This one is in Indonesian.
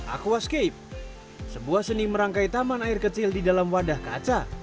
aquascape sebuah seni merangkai taman air kecil di dalam wadah kaca